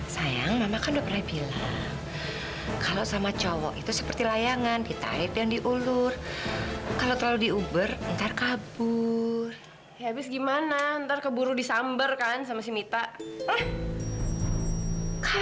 sampai jumpa di video selanjutnya